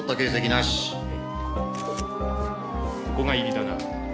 ここが入りだな。